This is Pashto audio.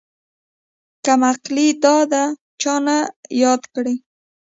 کمقلې دادې چانه ياد کړي.